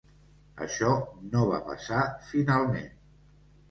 Això no va passar, finalment.